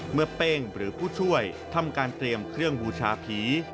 เป้งหรือผู้ช่วยทำการเตรียมเครื่องบูชาผี